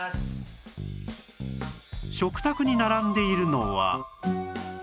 食卓に並んでいるのは